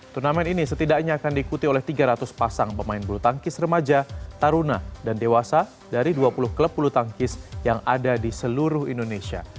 turnamen ini setidaknya akan diikuti oleh tiga ratus pasang pemain bulu tangkis remaja taruna dan dewasa dari dua puluh klub bulu tangkis yang ada di seluruh indonesia